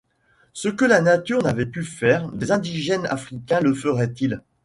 Ce que la nature n’avait pu faire, des indigènes africains le feraient-ils?